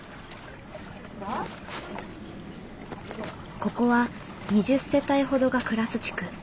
ここは２０世帯ほどが暮らす地区。